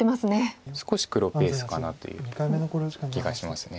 少し黒ペースかなという気がします。